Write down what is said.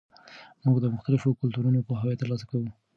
موږ د مختلفو کلتورونو پوهاوی ترلاسه کوو.